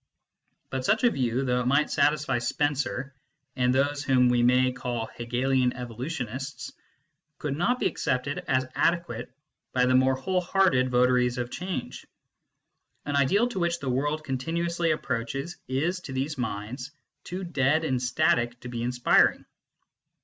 But such a view, though it might satisfy Spencer and those whom we may call Hegelian evolutionists, could not be accepted as adequate by the more whole hearted votaries of change. An ideal to which the world continuously approaches is, to these minds, too dead and static to be inspiring.